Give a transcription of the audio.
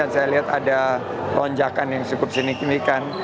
kalau ada lonjakan yang cukup sinik sinikan